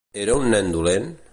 Era un nen dolent?